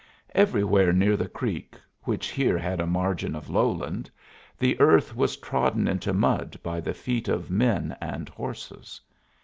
Everywhere near the creek, which here had a margin of lowland, the earth was trodden into mud by the feet of men and horses.